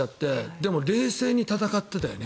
でも、冷静に戦ってたよね